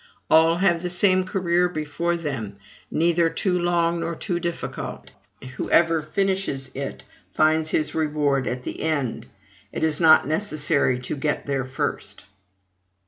All have the same career before them, neither too long nor too difficult; whoever finishes it finds his reward at the end: it is not necessary to get there first.